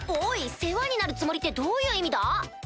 世話になるつもりってどういう意味だ？